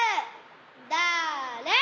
だれ？